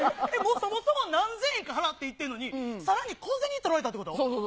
そもそも何千円か払って行ってんのにさらに小銭取られそうそう。